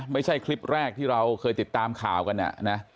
ไม่ใช่คลิปแรกที่เราเคยติดตามข่าวกันนะ